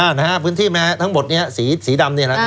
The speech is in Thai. อ่านะฮะพื้นที่แม้ทั้งหมดเนี้ยสีสีดำเนี้ยละอ่า